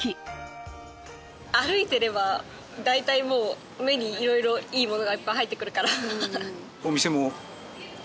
歩いていれば大体もう目にいろいろいいものがいっぱい入ってくるから。